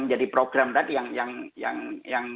menjadi program tadi yang